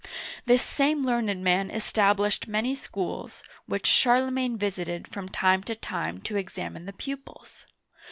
This same learned man established many schools, which Charlemagne visited from time to time to examine the pupils.